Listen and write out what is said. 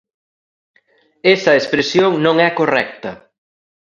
Esa expresión non é correcta.